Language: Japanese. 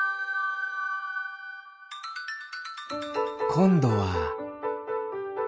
こんどは。